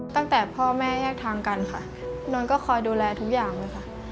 ตั้งแต่พ่อแม่แยกทางกันค่ะนนท์ก็คอยดูแลทุกอย่างเลยค่ะ